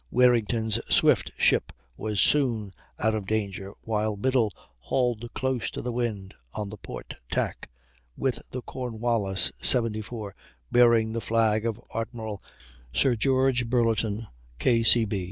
Warrington's swift ship was soon out of danger, while Biddle hauled close to the wind on the port tack, with the Cornwallis, 74, bearing the flag of Admiral Sir George Burleton, K.C.